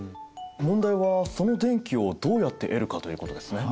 問題はその電気をどうやって得るかということですよね。